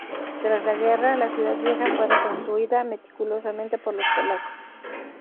Tras la guerra, la Ciudad Vieja fue reconstruida meticulosamente por los polacos.